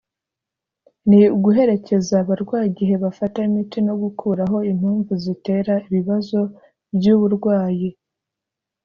ni uguherekeza abarwayi igihe bafata imiti no gukuraho impamvu zitera ibibazo by’uburwayi